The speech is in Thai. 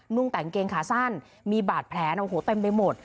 งแต่งเกงขาสั้นมีบาดแผลโอ้โหเต็มไปหมด